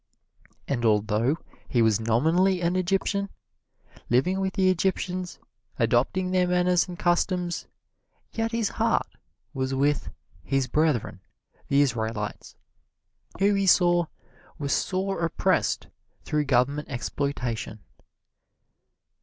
And although he was nominally an Egyptian, living with the Egyptians, adopting their manners and customs, yet his heart was with "his brethren," the Israelites, who he saw were sore oppressed through governmental exploitation.